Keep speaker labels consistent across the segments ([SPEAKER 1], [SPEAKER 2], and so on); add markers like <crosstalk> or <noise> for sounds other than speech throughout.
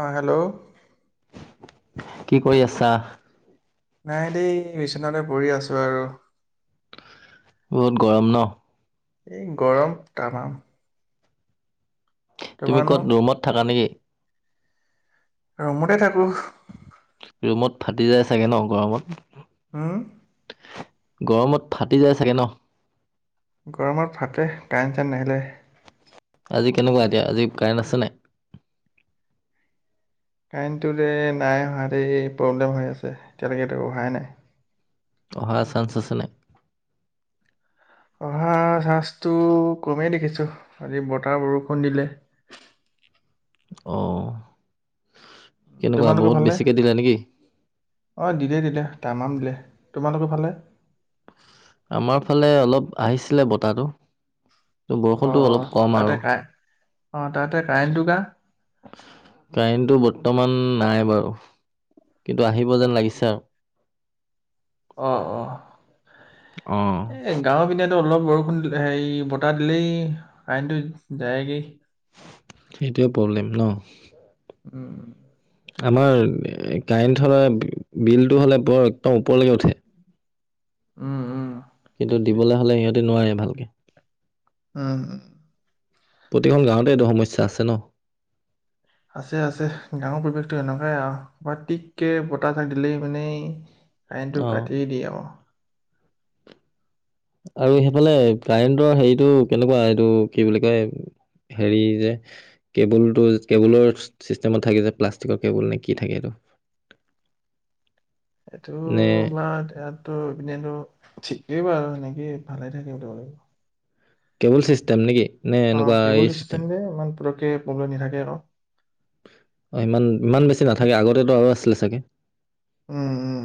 [SPEAKER 1] অ hello
[SPEAKER 2] কি কৰি আছা?
[SPEAKER 1] নাই দেই বিচনাতে পৰি আছো আৰু
[SPEAKER 2] বহুত গৰম ন'।
[SPEAKER 1] এই গৰম তামাম।
[SPEAKER 2] তুমি
[SPEAKER 1] তোমাৰনো
[SPEAKER 2] ক'ত ৰুমত থাকা নেকি?
[SPEAKER 1] ৰুমতে থাকো।
[SPEAKER 2] ৰুমত ফাটি যায় চাগে ন গৰমত।
[SPEAKER 1] উম,
[SPEAKER 2] গৰমত ফাটি যায় চাগে ন?
[SPEAKER 1] গৰমত ফাটে কাৰেন্ট-চাৰেন্ট নাহিলে।
[SPEAKER 2] আজি কেনেকুৱা এতিয়া আজি কাৰেণ্ট আছে নাই।
[SPEAKER 1] কাৰেণ্টটোৰে যে নাই অহা দেই প্ৰব্লেম হৈ আছে এতিয়ালৈকে অহাই নাই।
[SPEAKER 2] অহাৰ চান্স আছে নে।
[SPEAKER 1] অহা চান্সটো কমেই দেখিছো আজি বতাহ বৰষুণ দিলে।
[SPEAKER 2] অঁ কেনেকুৱা
[SPEAKER 1] তোমালোকৰ
[SPEAKER 2] বহুত
[SPEAKER 1] ফালে
[SPEAKER 2] বেছিকে দিলে নেকি?
[SPEAKER 1] অ দিলে দিলে তামাম দিলে তোমালোক ফালে।
[SPEAKER 2] আমাৰ ফালে অলপ আহিছিলে বটাহটো।
[SPEAKER 1] অ
[SPEAKER 2] বৰষুণতো
[SPEAKER 1] অ
[SPEAKER 2] অলপ কম
[SPEAKER 1] তাতে
[SPEAKER 2] আৰু।
[SPEAKER 1] কাৰে অ' তাতে কাৰেণ্টটো কা
[SPEAKER 2] কাৰেণ্টটো বৰ্তমান নাই বাৰু কিন্তু আহিব যেন লাগিছে আৰু।
[SPEAKER 1] অ-অ
[SPEAKER 2] অ',
[SPEAKER 1] এ গাঁও পিনে টো অলপ বৰষুণ হেৰি বতাহ দিলেই কাৰেন্টটো যায়ে গৈ।
[SPEAKER 2] সেইটোয়ে প্ৰব্লেম ন।
[SPEAKER 1] উম-উম,
[SPEAKER 2] আমাৰ কাৰেণ্ট হলে বিলটো হলে বৰ একদম ওপৰলৈকে উঠে।
[SPEAKER 1] উম-উম।
[SPEAKER 2] কিন্তু দিবলৈ হলে সিহঁতে নোৱাৰে ভালকে।
[SPEAKER 1] উম,
[SPEAKER 2] প্ৰতিখন গাঁৱতে এইটো সমস্যা আছে ন।
[SPEAKER 1] আছে-আছে গাঙৰ পৰিৱেশতটো এনেকুৱাই আৰু ক টিককে বতাহ থাক দিলেই মানে। আইনটো
[SPEAKER 2] অ
[SPEAKER 1] কাটি দিয়ে অ'
[SPEAKER 2] আৰু সেইফালে কাৰেণ্টৰ হেৰিটো কেনেকুৱা এইটো কি বুলি কয়। হেৰি যে কেবুল টো কেবুলৰ চিষ্টেমত থাকে যে প্লাষ্টিকৰ কেবুল নে কি থাকেটো। <unintelligible>
[SPEAKER 1] এইটো আমাৰ ইয়াতো এপিনেতো। ঠিকেই বাৰু সেনেকেই ভালে থাকে বুলিিব
[SPEAKER 2] কেবুল চিষ্টেম নেকি নে
[SPEAKER 1] লাগিব। অ
[SPEAKER 2] এনেকুৱা
[SPEAKER 1] কি
[SPEAKER 2] এই
[SPEAKER 1] বুলি
[SPEAKER 2] চিষ্টেম
[SPEAKER 1] ই যে ম পতে প্ৰব্লেম নাথাকে আৰু।
[SPEAKER 2] অ ইমান ইমান বেছি নাথাকে আগতেতো আৰু আছিলে চাগে।
[SPEAKER 1] উম-উম।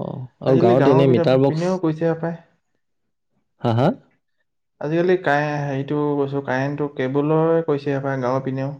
[SPEAKER 2] অ আৰু
[SPEAKER 1] আজিকালি
[SPEAKER 2] গাঁৱত
[SPEAKER 1] গাঁৱৰ
[SPEAKER 2] এনেই
[SPEAKER 1] বি
[SPEAKER 2] মিটাৰ বক্স
[SPEAKER 1] পিনেও কৈছে পায়।
[SPEAKER 2] হা হা
[SPEAKER 1] আজিকালি কাৰে হেৰিটো কৈছো কাৰেণ্টটো কেবুলৰে কৈছেপ গাঁৱৰ পিনেও।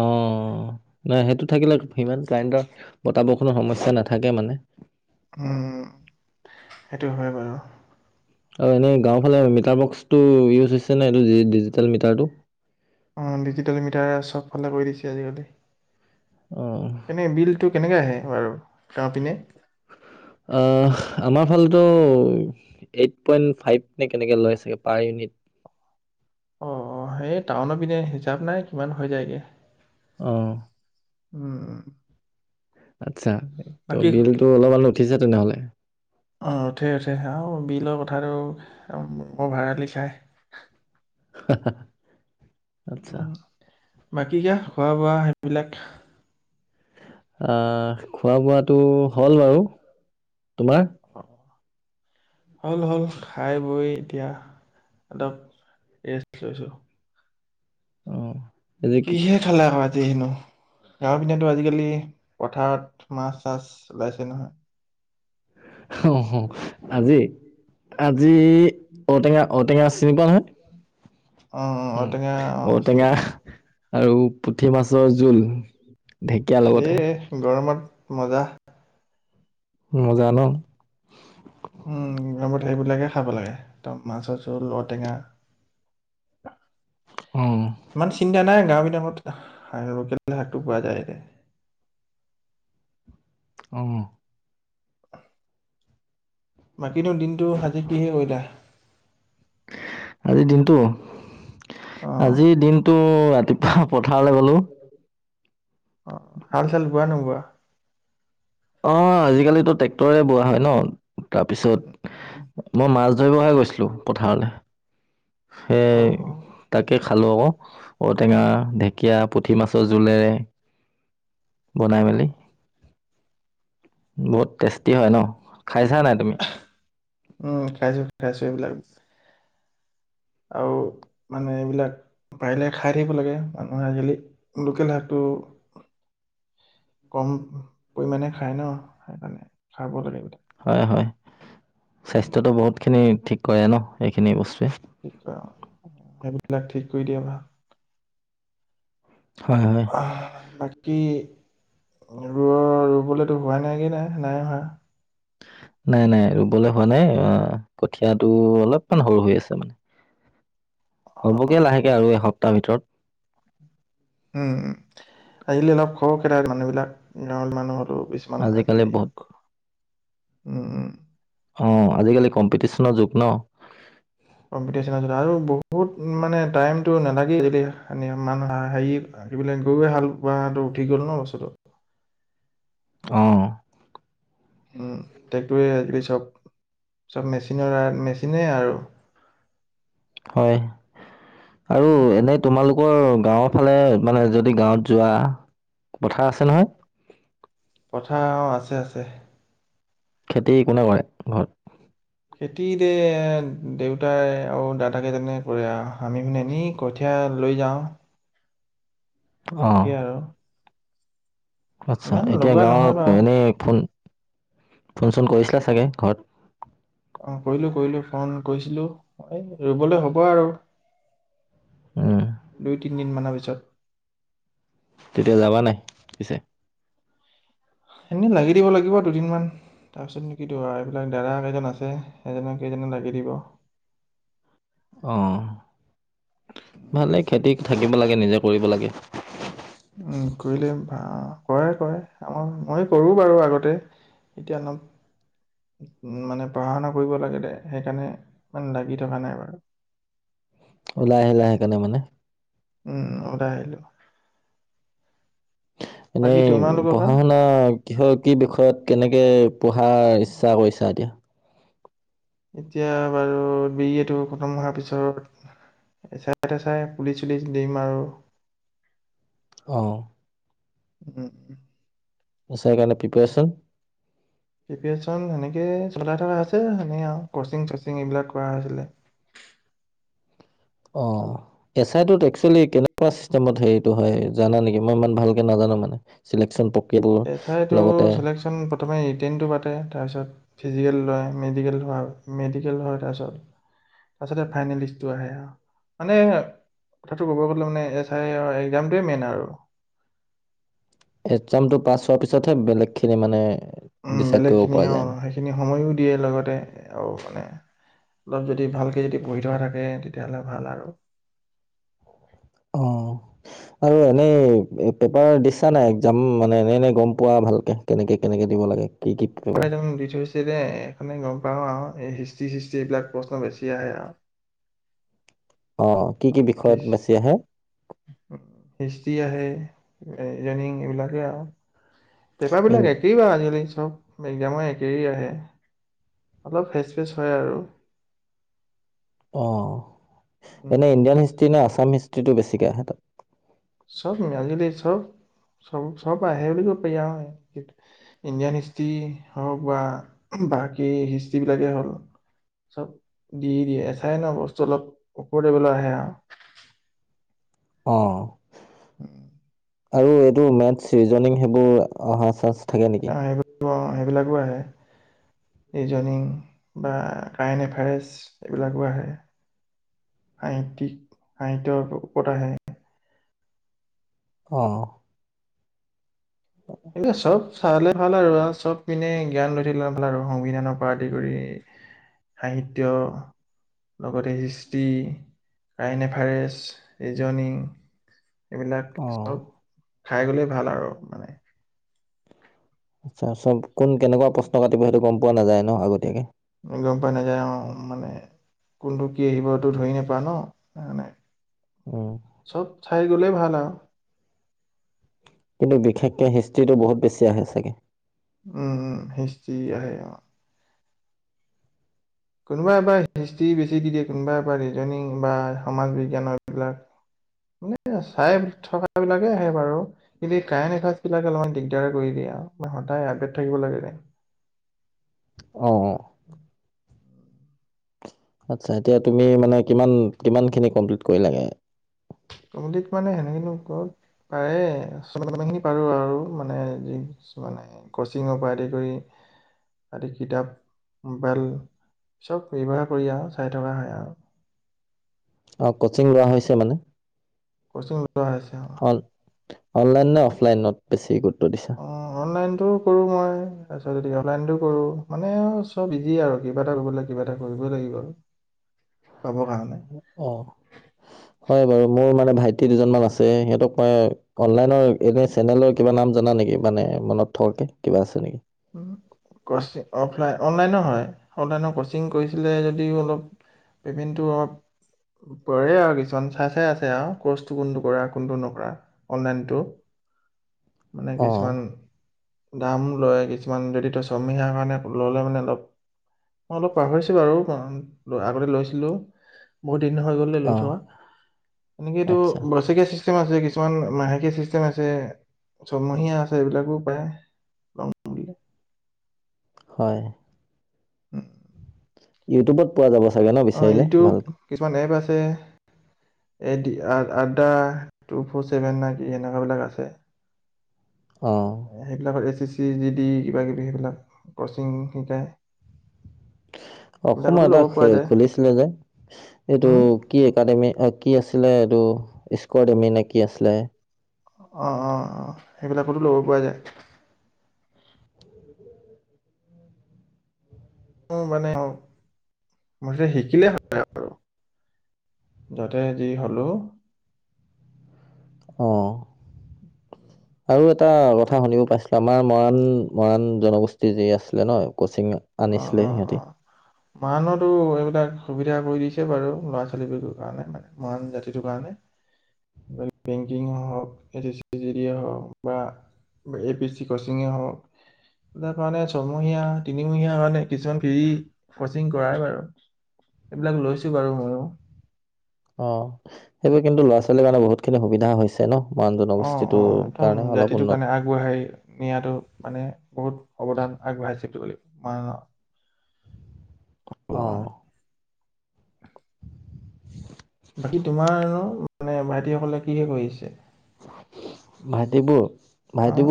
[SPEAKER 2] অঁ ন সেইটো থাকিলে সিমান কাৰেণ্টৰ বত বৰষুণৰ সমস্যা নাথাকে মানে
[SPEAKER 1] উম, সেইটো হয় বাৰু।
[SPEAKER 2] আৰু এনেই গাঁওৰ ফালে মিটাৰ বক্সটো ইজ হৈছে ন ডিজি মিটো।
[SPEAKER 1] অ, ডিজিটেল মিটাৰ চবফালে কৰি দিছে আজিকালি।
[SPEAKER 2] অ
[SPEAKER 1] এনে বিলটো কেনেকে আহে বাৰু কাঁহ পিনে।
[SPEAKER 2] অহ আমাৰ ফালটো এইট পইন্ট ফাইভ নে কেনেকে লৈ চাগে পাৰ ইউনিট।
[SPEAKER 1] অ-অ সেই টাউনৰত পিনে হিচাপ নাই কিমান হৈ যায়গে।
[SPEAKER 2] আহঁ
[SPEAKER 1] উম-উম,
[SPEAKER 2] আচ্ছা, ত' বিলতটো অলপমান উঠিছে তেনেহলে।
[SPEAKER 1] অ', উঠে উঠে আৰু অ', বিলৰ কথাটো অভাড়ালি খাই।
[SPEAKER 2] <inaudible>
[SPEAKER 1] অ', বাকী কা খোৱা বোৱা সেইবিলাক
[SPEAKER 2] অ', খোৱা বোৱাটো হ'ল বাৰু, তোমাৰ?
[SPEAKER 1] হ'ল হ'ল খাই বৈ এতিয়া। দ' এই লৈছো।
[SPEAKER 2] অ'। আজি কি
[SPEAKER 1] কিহে খালে আজি হেনো? গাঁৱৰ পিধাটো আজিকালি পথাৰত মাছ চাছ ওলাইছে নহয়।
[SPEAKER 2] অ', হ'। আজি, আজি ঔটেঙা, ঔটেঙা চিনি পোৱা নহয়।
[SPEAKER 1] অ', অ',
[SPEAKER 2] উম
[SPEAKER 1] তেনেকে অ', চিনি
[SPEAKER 2] ঔটেঙা
[SPEAKER 1] পাওঁ।
[SPEAKER 2] আৰু পুঠি মাছৰ জোল ঢেকীয়াৰ
[SPEAKER 1] এ
[SPEAKER 2] লগতে
[SPEAKER 1] গৰমত মজা।
[SPEAKER 2] মজা ন'।
[SPEAKER 1] উম, গৰমত সেইবিলাকে খাব লাগে ত' মাছৰ জোল ঔটেঙা।
[SPEAKER 2] <inaudible>
[SPEAKER 1] ইমান চিন্তা নাই। গাঁৱমি দামত লোকেল শাকটো পোৱা যায়।
[SPEAKER 2] অ'।
[SPEAKER 1] বাকীনো দিনটো আজি কিহে কৰিলা
[SPEAKER 2] আজিৰ দিনটো
[SPEAKER 1] অ',
[SPEAKER 2] আজিৰ দিনটো ৰাতিপ পথাৰলে গ'লো
[SPEAKER 1] অ হাল চাল বোৱা নোবোৱা
[SPEAKER 2] অ আজিকালিতো ট্ৰেক্টৰে বোৱা হয় ন তাৰপিছত মই মাছ ধৰিব হে গৈছিলো পথাৰলে সেই
[SPEAKER 1] অ', অ',
[SPEAKER 2] তাকে খালোঁ আক ঔটেঙা ঢেকীয়া পুঠি মাছৰ জোলেৰে বনাই মেলি
[SPEAKER 1] অ',
[SPEAKER 2] বহুত টেষ্টি হয় ন খাইছা নাই তুমি
[SPEAKER 1] খাইছো এইবিলাক বস্ আৰু মানে এইবিলাক পাৰিলে খাই থাকিব লাগে মানুহে আজিকালি লোকেল শাকটো কম পৰিমানে খাই ন সেইকাৰণে খাব লাগে উম,
[SPEAKER 2] স্বাস্থ্যতো বহুত খিনি ঠিক কৰে ন এইখিনি বস্তুৱে
[SPEAKER 1] কি ক অ সেইবিলাক ঠিক কৰি দিয়া ভা
[SPEAKER 2] হয় হয়
[SPEAKER 1] আহ বাকী ৰুঅ ৰুবলেতো হোৱাই নাইগে নাই নাই হোৱা
[SPEAKER 2] নাই নাই ৰুবলে হোৱা নাই আহ কঠিয়াটো অলপমান সৰু হৈ আছে মানে হ'বগে লাহেকে আৰু এসপ্তাহৰ ভিতৰত
[SPEAKER 1] উম উম আজিকালি অলপ খহ খেৰা মানুহ বিলাক গাঁৱল মানুহৰো কিছুমান
[SPEAKER 2] আজিকালি
[SPEAKER 1] আজলি
[SPEAKER 2] বহুত
[SPEAKER 1] উম উম
[SPEAKER 2] অ আজিকালি কম্পিটিচনৰ যুগ ন
[SPEAKER 1] কম্পিটিচন আছিল আৰু বহুত মানে টাইমতটো নালাগে যদি <unintelligible> আকি পেলাই গৈ গৈ হাল বোৱাটো উঠি গ'ল ন বস্তুটো
[SPEAKER 2] <inaudible> অহ।
[SPEAKER 1] উম টেক্টৰে আজিকালি চব, চব মেচিনৰ মেচিনে আৰু।
[SPEAKER 2] হয় আৰু এনে তোমালোকৰ গাঁৱৰ ফালে মানে যদি গাঁৱত যোৱা পথাৰ আছে নহয়।
[SPEAKER 1] পথাৰ আছে, আছে।
[SPEAKER 2] খেতি কোনে কৰে ঘৰত।
[SPEAKER 1] খেতিতে দেউতাই আৰু দাদাকেইজনে কৰে আৰু আমি এনেই কঠীয়া। লৈ যাও।
[SPEAKER 2] অঁ
[SPEAKER 1] এনেকেই আৰু
[SPEAKER 2] আচ্ছা,
[SPEAKER 1] ইমান
[SPEAKER 2] এতিয়া
[SPEAKER 1] লগোৱা নহয়
[SPEAKER 2] গাঁৱত
[SPEAKER 1] বাৰু।
[SPEAKER 2] এনেই ফোন। ফোন-চোন কৰিছিলা চাগে ঘৰত।
[SPEAKER 1] অ' কৰিলো, কৰিলো ফোন কৰিছিলো এই ৰুবলৈ হ'ব আৰু।
[SPEAKER 2] উম,
[SPEAKER 1] দুই, তিনিদিনমানৰ পিছত।
[SPEAKER 2] তেতিয়া যাবা নাই পিছে।
[SPEAKER 1] এনে লাগি দিব লাগিব দুদিনমান। তাৰপিছতু কি এইবিলাক দৰা কেইজন আছে। এজনক কেইজনে লাগি দিব।
[SPEAKER 2] অ' ভালে
[SPEAKER 1] দিব।
[SPEAKER 2] খেতি থাকে। থাকিব লাগে নিজে কৰিব লাগে।
[SPEAKER 1] উ কৰিলে ভাল কৰে-কৰে আমাৰ মই কৰো বাৰু আগতে এতিয়া অলপ উ মানে পঢ়া-শুনা কৰিব লাগিলে সেইকাৰণে মান লাগি থকা নাই বাৰু।
[SPEAKER 2] ওলালে লাহে কাৰণে মানে।
[SPEAKER 1] উম আহিলো।
[SPEAKER 2] এনেই পঢ়া-শুনা কিহৰ কি বিষয়ত কেনেকে ত পঢ়াৰ ইচ্ছা কৰিছা এতিয়া।
[SPEAKER 1] এতিয়া বাৰু বি এ টো খতম হোৱাৰ পিছত এচাই- চেচাই, পুলিচ-চুলিচ দিম আৰু
[SPEAKER 2] অহ।
[SPEAKER 1] উম।
[SPEAKER 2] এচাই কাৰণে প্ৰিপেৰচন?
[SPEAKER 1] প্ৰিপে‌চন সেনেকেই চলাই থকা হৈছে এনে আৰু কচিং চচিং এইবিলাক কৰা হৈছিলে।
[SPEAKER 2] <inaudible> অ এচ আই তো কেনেকুৱা চিষ্টতেমত সেটো হয় জানা নেকি মই ইমান ভালকে নাজানোঁ। মানে চিলেকচন প্ৰক্ৰিয়া
[SPEAKER 1] এচাইটো
[SPEAKER 2] লগতে
[SPEAKER 1] চিলেকশ্যন প্ৰথমে ৰিটেণটো পাতে তাৰপিছত ফিজিকেল লয় মেডিকেল লোৱা মেডিকেল হয় তাৰপিছত তাৰপিছতে ফাইনেল লিষ্টটো আহে আহ মানে কথাটো ক'ব গ'লে মানে এছ আই এক্সামটোৱে মেইন আৰু
[SPEAKER 2] এক্সামটো পাছ হোৱাৰ পিছতহে বেলেগ খিনি মানে
[SPEAKER 1] উম
[SPEAKER 2] ডিচাইড
[SPEAKER 1] বেলেগ
[SPEAKER 2] কৰিব
[SPEAKER 1] খিনি
[SPEAKER 2] পৰা
[SPEAKER 1] অ
[SPEAKER 2] যায় মানে
[SPEAKER 1] সেইখিনি সময়ো দিয়ে লগতে আৰু মানে? অলপ যদি ভালকে যদি পঢ়ি থকা থাকে তেতিয়াহ'লে ভাল আৰু
[SPEAKER 2] অ আৰু এনেই পেপাৰ দিছা নাই এক্সাম মানে এনে এনে গম পোৱা ভালকে কেনেকে কেনেকে দিব লাগে। কি কি পেপাৰ
[SPEAKER 1] পঢাই য দি <unintelligible> এইখনে গম পাওঁ আৰু এই হিষ্টি চিষ্টি এইবিলাক প্ৰশ্ন বেছি আহে আৰু।
[SPEAKER 2] আহ কি
[SPEAKER 1] অ,
[SPEAKER 2] কি বিষয়ত
[SPEAKER 1] ফিছ
[SPEAKER 2] বেছি আহে?
[SPEAKER 1] এৰিং আহে এইবিলাকে আৰু পেপ
[SPEAKER 2] ইন
[SPEAKER 1] বিলাক একেই বা আজিকালি চব এক্সাম একেই আহে অলপ ফেচ ফেচ হয় আৰু।
[SPEAKER 2] অ'
[SPEAKER 1] উম,
[SPEAKER 2] এনে ইণ্ডিয়ান
[SPEAKER 1] উম।
[SPEAKER 2] হিষ্ট্ৰি নে আছাম হিষ্ট্ৰিটো বেছিকে আহে তাত।
[SPEAKER 1] চব <unintelligible> চব। চব-চব আহে বুলি কৈ পাৰি হয় ইণ্ডিয়ান হিষ্ট্ৰি হওঁক বা বাকী হিষ্ট্ৰী বিলাকে হ'ল। চব দি দিয়ে, এচাই ন বস্তু অলপ ওপৰৰ লেবেলৰ আহে আৰু
[SPEAKER 2] অ'।
[SPEAKER 1] উম'।
[SPEAKER 2] আৰু এইটো মেথছ, ৰিজনিং সেইবোৰ অহা চাঞ্চ থাকে নেকি?
[SPEAKER 1] অ' সেইবিলাকো আহে। ৰিজনিং বা কাৰেণ্ট এফয়াৰ্চ এইবিলাকো আহে। সাহিত্যিক, সাহিত্যৰ ওপৰত আহে।
[SPEAKER 2] অহ।
[SPEAKER 1] এ চব চালে ভাল আৰু চব পিনে জ্ঞান লৈ থাকিলে ভাল আৰু সংবিধানৰ পৰা আদি কৰি সাহিত্য। লগতে হিষ্টি ক্ৰাইণ্ট, এভাৰেষ্ট ৰিজনিং। এইবিলাক
[SPEAKER 2] অ
[SPEAKER 1] চব চাই গ'লে ভাল আৰু।
[SPEAKER 2] আচ্ছা চব কোন কেনেকুৱা প্ৰশ্ন কাটিব সেইটো গম পোৱা নাযায় ন আগতীয়াকে।
[SPEAKER 1] গম পাই নাযায় মানে। কোনটো কি আহিব সেটো ধৰি নেপায় ন সেইকাৰণে।
[SPEAKER 2] উম
[SPEAKER 1] চব চাই গলেই ভাল আৰু
[SPEAKER 2] কিন্তু বিশেষকে হিষ্ট্ৰিটো বহুত বেছি আহে চাগে!
[SPEAKER 1] উম' হিষ্ট্ৰী আহে অ'। কোনোবা এবাৰ হিষ্ট্ৰী বেছি দি দিয়ে, কোনোবা এবাৰ ৰিজনিং বা সমাজ বিজ্ঞানৰ বিলাক ্ মানে চাই থকা বিলাকে আহে বাৰু কিন্তু এই কাৰেণ্ট এফেয়াৰ্ছ বিলাকে অলপমান দিগদাৰ কৰি দিয়ে। সদায় আপডেট থাকিব লাগে যে।
[SPEAKER 2] অ অহ।
[SPEAKER 1] যে
[SPEAKER 2] আচ্ছা এতিয়া তুমি মানে কিমান কিমানখিনি কমপ্লিট কৰিলা গে।
[SPEAKER 1] কমপ্লিট মানে সেনেকে নো ক'ত পাৰে <unintelligible> পাৰো আৰু মানে যি কিছু মানে ক'চিঙৰ পৰা আদি কৰি আদি কিতাপ মোবাইল চব ব্যৱহাৰ কৰি আৰু চাই থকা হয় আও।
[SPEAKER 2] <inaudible> কচিং লোৱা হৈছে মানে।
[SPEAKER 1] কচিং লোৱা হৈছে অ।
[SPEAKER 2] অন অনলাইন নে অফলাইনত বেছি গুৰুত্ব দিছা।
[SPEAKER 1] কৰো মই তাৰপিছত গতিক অনলাইনতটো কৰো মানে চব ইজি আৰু কিবা এটা কৰিব লাগে কিবা এটা কৰিবই লাগিব কি হ'ল?
[SPEAKER 2] <inaudible>
[SPEAKER 1] পাবৰ কাৰণে।
[SPEAKER 2] অ হয় বাৰু মোৰ মানে ভাইটি দুজন মান আছে সিহঁতক মই অনলাইনৰ এটা চেনেলৰ কিবা নাম জানখ নেকি মানে মনত থকাকে কিবা আছে নেকি?
[SPEAKER 1] উম, অফলাইন অনলাইন হয় অনলাইনৰ কচিং কৰিছিলে যদিও অলপ পেমেণ্ট অলপ কৰে আৰু কিছুমান চাই চাই আছে আৰু কৰ্চটো কোনটো কৰা কোনটো নকৰা অনলাইনতটো।
[SPEAKER 2] উম,
[SPEAKER 1] মানে কিছুমান দাম লয় কিছুমান কিছুমান যদি তটো চমিহাৰ কাৰণে ল'লে মানে অলপ মই অলপ পাহৰিছো বাৰু আগতে লৈছিলো বহুত হৈ গ লৈ
[SPEAKER 2] অ
[SPEAKER 1] থোৱা এনেকে এইটো
[SPEAKER 2] আচ্ছা
[SPEAKER 1] ব চেম আছে কিছুমান মাহেকীয়া চিষ্টেম আছে চয়মহীয়া আছে এইবিলাকো পায়। বুলিলে
[SPEAKER 2] হয়। ইউটিউবত পোৱা যাব চাগে ন
[SPEAKER 1] অ,
[SPEAKER 2] বিচাৰিলে
[SPEAKER 1] ইটো
[SPEAKER 2] ভালকে
[SPEAKER 1] কিছুমান এপ আছে। স এ আদা টু ফৰ চছেভেন নেকি সনেকুৱা বিলাক আছে।
[SPEAKER 2] অ
[SPEAKER 1] সেইবিলাকতি চি জি ড কিবা কিবি সেইবিলাক কচিং শিকাই।
[SPEAKER 2] উম, অসমৰ এটা খুলিছিলে যে এইটো
[SPEAKER 1] হুম
[SPEAKER 2] কি একাডেমি কি আছিল? আছিলে এইটো স্কট এমি নেকি আছিলে।
[SPEAKER 1] অ', অ', অ', সেইবিলাকতো ল'ব পৰা যায়। মানে মু শিকিলে হয় আৰু <unintelligible> যাতে যি হ'লো।
[SPEAKER 2] অ', আৰু এটা কথা শুনিব পাইছিলো আমাৰ মৰাণ মৰাণ জনগোষ্ঠী যি আছিলে ন? কচিং
[SPEAKER 1] অঁ
[SPEAKER 2] আনিছিলে
[SPEAKER 1] অঁ
[SPEAKER 2] সিহঁতি।
[SPEAKER 1] অঁ মৰাণতো এইবিলাক সুবিধা কৰি দিছে বাৰু ল'ৰা ছোৱালীবৰ কাৰণে মানে মৰাণ জাতিটোৰ কাৰণে। বেংকিং হওক এ হওক বা A P A C coaching হওক কাৰে চয়মহীয়া হয় নে কিছুমান ফ ফচিং কৰাই বাৰু, এইবিলাক লৈছো বাৰু মইও।
[SPEAKER 2] অ সেইবোৰ কিন্তু ল'ৰা ছোৱালীৰ কাৰনে বহুত খিনি সুবিধা হৈছে ন? মৰাণ
[SPEAKER 1] অ অ
[SPEAKER 2] জনগোষ্ঠীটোৰ
[SPEAKER 1] একদম
[SPEAKER 2] কাৰণে অলপ
[SPEAKER 1] জাতিটোৰ
[SPEAKER 2] উন্নত
[SPEAKER 1] কাৰণে আগবঢ়াই নিয়াতো মানে বহুত অৱদান। আগবঢ়াই ছে বুলি ম
[SPEAKER 2] অহ <unintelligible>
[SPEAKER 1] বাকী তোমাৰ মানে ভাইটি সকলে কিহে কৰিছে?
[SPEAKER 2] ভাইটিবোৰ ভাইটিবোৰ